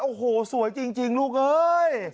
โอ้โหสวยจริงลูกเอ้ย